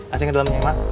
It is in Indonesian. acing kedalamnya ya ma